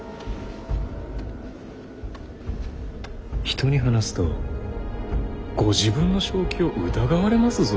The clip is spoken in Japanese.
人に話すとご自分の正気を疑われますぞ。